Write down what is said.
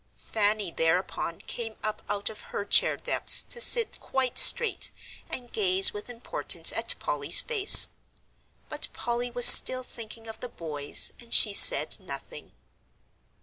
Fanny thereupon came up out of her chair depths to sit quite straight and gaze with importance at Polly's face. But Polly was still thinking of the boys, and she said nothing.